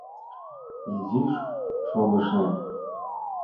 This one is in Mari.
Изиш шогышна.